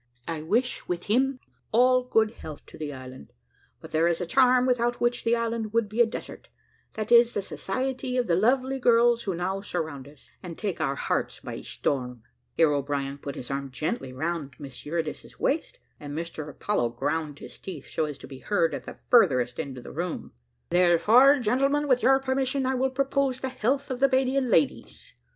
I wish, with him, all good health to the island; but there is a charm without which the island would be a desert that is, the society of the lovely girls who now surround us, and take our hearts by storm," (here O'Brien put his arm gently round Miss Eurydice's waist, and Mr Apollo ground his teeth so as to be heard at the furthest end of the room,) therefore, gentlemen, with your permission, I will propose the health of the `'Badian Ladies.'